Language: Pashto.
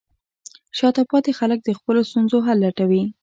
شاته پاتې خلک د خپلو ستونزو حل لټوي.